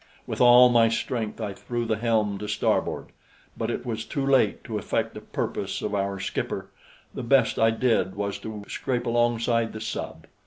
With all my strength I threw the helm to starboard; but it was too late to effect the purpose of our skipper. The best I did was to scrape alongside the sub.